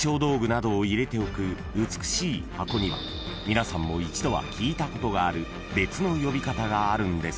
［皆さんも一度は聞いたことがある別の呼び方があるんですが］